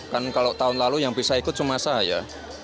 kan kalau tahun lalu yang bisa ikut cuma saya